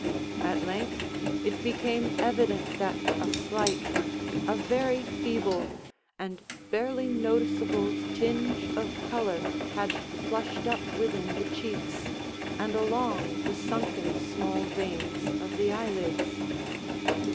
At length it became evident that a slight, a very feeble, and barely noticeable tinge of color had flushed up within the cheeks, and along the sunken small veins of the eyelids.